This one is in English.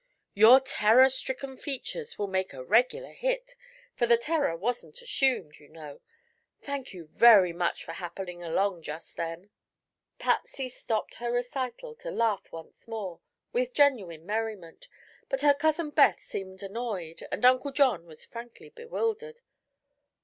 Your terror stricken features will make a regular hit, for the terror wasn't assumed, you know. Thank you very much for happening along just then.'" Patsy stopped her recital to laugh once more, with genuine merriment, but her cousin Beth seemed annoyed and Uncle John was frankly bewildered.